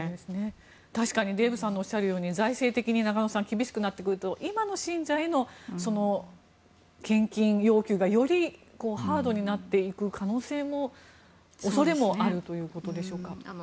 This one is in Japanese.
確かにデーブさんおっしゃるように財政的に厳しくなってくると今の信者への献金要求がよりハードになっていく可能性、恐れもあるということでしょうか。